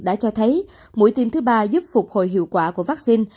đã cho thấy mũi tiêm thứ ba giúp phục hồi hiệu quả của vắc xin